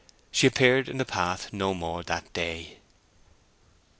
She appeared in the path no more that day.